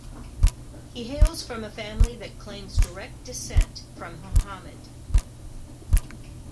He hails from a family that claims direct descent from Muhammad.